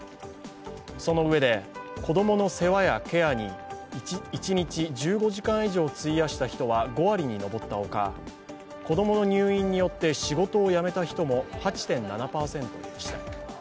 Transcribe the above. そのうえで、子供の世話やケアに一日１５時間以上費やした人は５割に上ったほか、子供の入院によって、仕事を辞めた人も８．７％いました。